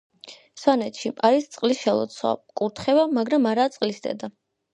სვანეთში არის წყლის შელოცვა, კურთხევა, მაგრამ არაა წყლის დედა.